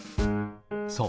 そう。